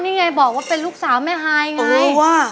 นี่ไงบอกว่าเป็นลูกสาวแม่ฮายไง